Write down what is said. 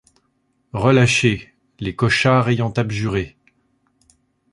Relâchés ; les Cochard ayant abjuré.